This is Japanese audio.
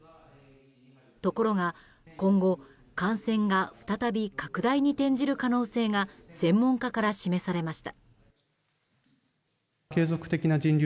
ところが、今後感染が再び拡大に転じる可能性が専門家から示されました。